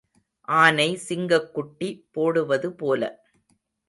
ஆனை சிங்கக்குட்டி போடுவது போல.